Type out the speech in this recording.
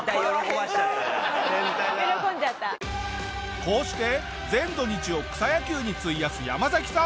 こうして全土日を草野球に費やすヤマザキさん。